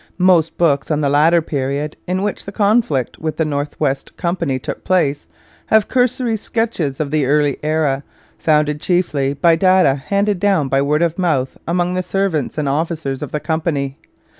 Most books on the later period in which the conflict with the North West Company took place have cursory sketches of the early era, founded chiefly on data handed down by word of mouth among the servants and officers of the Company.